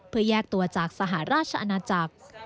เพื่อแยกตัวจากสหราชอาณาจักร